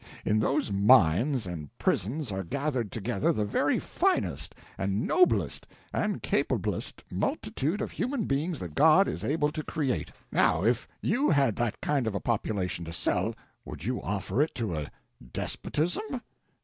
In those mines and prisons are gathered together the very finest and noblest and capablest multitude of human beings that God is able to create. Now if you had that kind of a population to sell, would you offer it to a despotism?